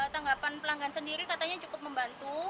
tanggapan pelanggan sendiri katanya cukup membantu